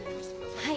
はい。